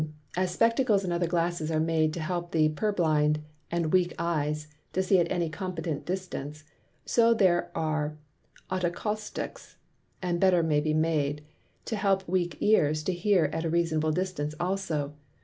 As Spectacles and other Glasses are made to help the Purblind and weak Eyes, to see at any competent distance: So there are Otacousticks (and better may be made) to help weak Ears to hear at a reasonable distance also.